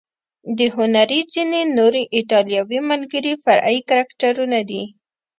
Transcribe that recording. د هنري ځینې نور ایټالوي ملګري فرعي کرکټرونه دي.